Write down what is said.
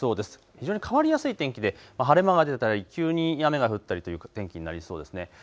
非常に変わりやすい天気で晴れ間が出たり急に雨が降ったりという天気になりそうですね。